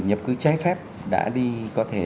nhập cứ trái phép đã đi có thể